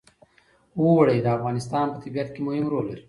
اوړي د افغانستان په طبیعت کې مهم رول لري.